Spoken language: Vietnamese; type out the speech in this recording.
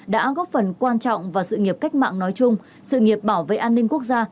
đã góp phần quan trọng vào sự nghiệp cách mạng nói chung sự nghiệp bảo vệ an ninh quốc gia